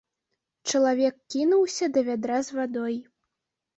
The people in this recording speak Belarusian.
Чалавек кінуўся да вядра з вадой.